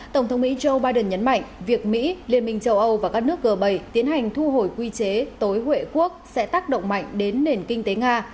tổng thống mỹ joe biden nhấn mạnh việc mỹ liên minh châu âu và các nước g bảy tiến hành thu hồi quy chế tối huệ quốc sẽ tác động mạnh đến nền kinh tế nga